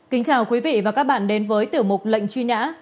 kính chào quý vị và các bạn đến với tiểu mục lệnh truy nã